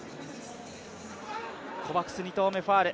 コバクス、２投目はファウル。